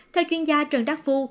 theo chuyên gia trần đắc phu